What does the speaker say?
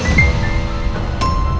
ibu temen a